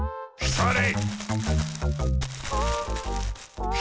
それ！